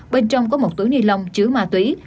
bên trong có một túi ni lông chứa ma túy